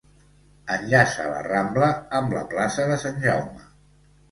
Enllaça la Rambla amb la plaça de Sant Jaume.